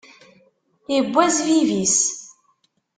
Iwwa zzbib-is.